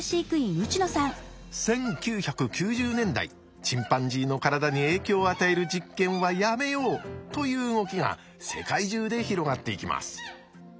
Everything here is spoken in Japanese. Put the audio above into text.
１９９０年代チンパンジーの体に影響を与える実験はやめようという動きが世界中で広がっていきます。